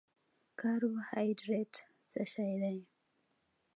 کاربوهایډریټ څه شی دی؟